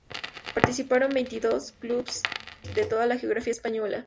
Participaron veintidós clubes de toda la geografía española.